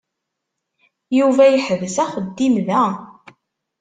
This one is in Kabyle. Yuba yeḥbes axeddim da.